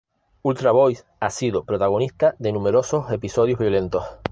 Ultra Boys ha sido protagonista de numerosos episodios violentos.